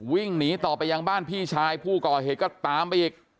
วิ่งหนีต่อไปยังบ้านพี่ชายผู้ก่อเหตุก็ตามไปอีก